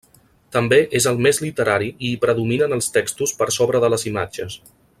També és el més literari i hi predominen els textos per sobre de les imatges.